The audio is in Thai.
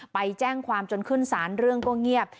ไปแจ้งความจนขึ้นสารเรื่องก็เงียบ